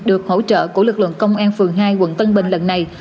được hỗ trợ của lực lượng công an phường hai quận tân bình lần này